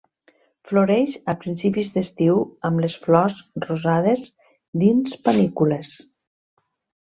Floreix a principis d'estiu amb les flors rosades dins panícules.